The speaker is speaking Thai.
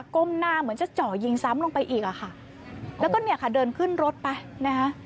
ก้มหน้าเหมือนจะเจาะยิงซ้ำลงไปอีกอ่ะค่ะแล้วก็เนี่ยค่ะเดินขึ้นรถไปนะคะ